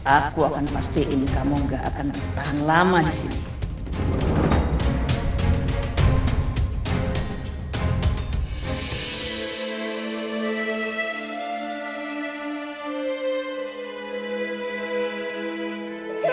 aku akan pastiin kamu gak akan tertahan lama disini